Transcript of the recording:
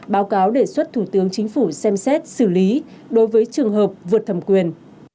báo cáo đề xuất thủ tướng chính phủ xem xét xử lý đối với trường hợp vượt thẩm quyền